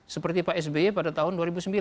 seperti pak sby pada tahun dua ribu sembilan